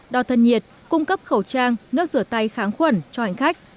đo thân nhiệt cung cấp khẩu trang nước rửa tay kháng khuẩn cho hành khách